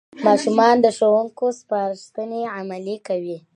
ماشومان د ښوونکو سپارښتنې عملي کوي